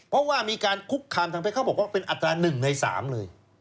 เพราะว่ามีการคุกคามทางเพศเขาบอกว่าเป็นอัตรา๑ใน๓เลย